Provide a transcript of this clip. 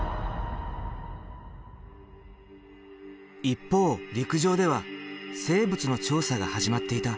一方陸上では生物の調査が始まっていた。